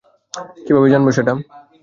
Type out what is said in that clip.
কীভাবে জানব সেটা?